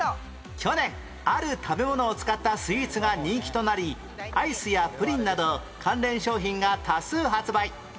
去年ある食べ物を使ったスイーツが人気となりアイスやプリンなど関連商品が多数発売